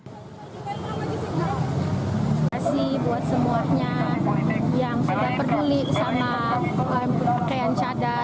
terima kasih buat semuanya yang tidak peduli sama pakaian cadar